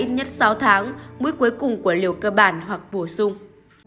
tiêm mũi nhắc lại là ít nhất sáu tháng mũi cuối cùng của liều cơ bản hoặc bổ sung